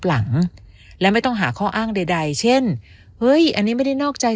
หลังและไม่ต้องหาข้ออ้างใดใดเช่นเฮ้ยอันนี้ไม่ได้นอกใจ